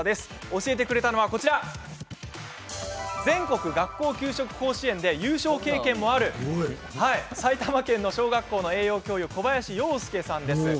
教えてくれたのは全国学校給食甲子園で優勝経験もある埼玉県の小学校の栄養教諭小林洋介さんです。